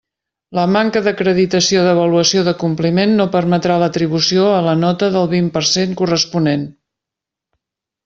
La manca d'acreditació d'avaluació d'acompliment no permetrà l'atribució a la nota del vint per cent corresponent.